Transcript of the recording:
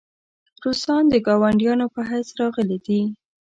روسان د ګاونډیانو په حیث راغلي دي.